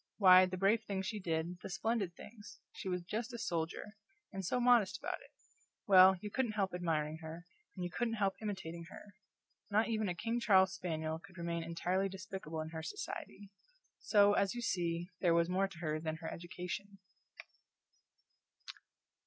Why, the brave things she did, the splendid things! she was just a soldier; and so modest about it well, you couldn't help admiring her, and you couldn't help imitating her; not even a King Charles spaniel could remain entirely despicable in her society. So, as you see, there was more to her than her education.